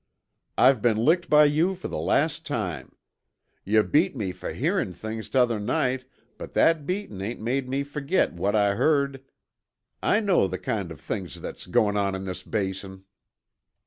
"I've been licked by you fer the last time. Yuh beat me fer hearin' things t'other night, but that beatin' ain't made me fergit what I heard. I know the kind of things that's goin' on in this Basin."